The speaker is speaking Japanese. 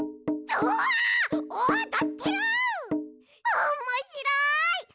おもしろい！